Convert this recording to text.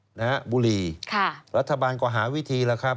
เหล้าบุหรี่รัฐบาลก็หาวิธีล่ะครับ